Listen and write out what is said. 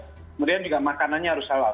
kemudian juga makanannya harus salaut